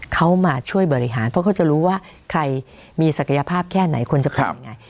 เขามาช่วยบริหารเพราะเขาจะรู้ว่าใครมีศักยภาพแค่ไหนควรจะทำยังไง